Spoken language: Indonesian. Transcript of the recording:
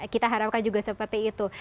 kita harapkan juga seperti itu